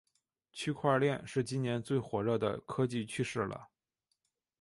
区块链是今年最火热的科技趋势了